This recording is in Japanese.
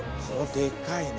でっかいね。